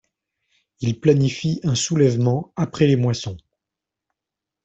Il planifie un soulèvement après les moissons.